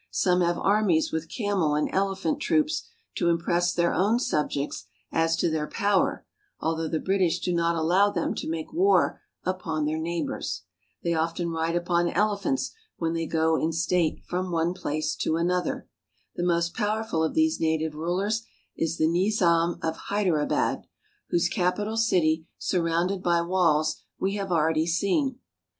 Some have armies with camel and elephant troops to impress their own subjects as to their power, although the British do not allow them to make war upon their neighbors. They often ride upon elephants when they go in state from one place to an other. (286) "They often ride upon elephants when they go in state." THE NATIVE STATES OF INDIA 28/ The most powerful of these native rulers is the Nizam of Haidarabad, whose capital city, surrounded by walls, we have already seen.